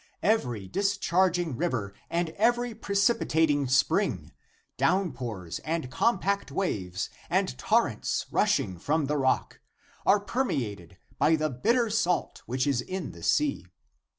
Every discharging river and every precipitating spring, downpours and compact waves and torrents rushing from the rock, are permeated by the bitter salt which is in the sea.